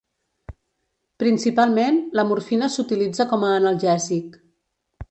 Principalment, la morfina s'utilitza com a analgèsic.